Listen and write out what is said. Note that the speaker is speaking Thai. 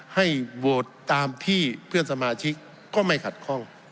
ให้โหวตตามที่เพื่อนสมาชิกก็ไม่ขัดข้อง